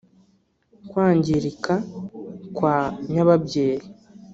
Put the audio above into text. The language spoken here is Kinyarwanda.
kwangirika kwa nyababyeyi